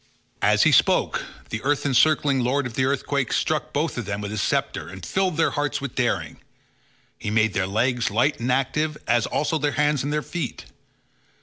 As he spoke the earth encircling lord of the earthquake struck both of them with his sceptre and filled their hearts with daring. He made their legs light and active, as also their hands and their feet.